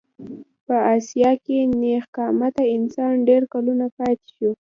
په اسیا کې نېغ قامته انسان ډېر کلونه پاتې شو.